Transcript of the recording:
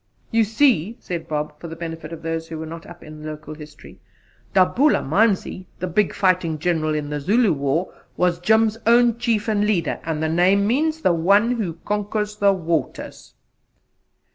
"You see," said Bob, for the benefit of those who were not up in local history, "Dabulamanzi, the big fighting General in the Zulu War, was Jim's own chief and leader; and the name means 'The one who conquers the waters.'"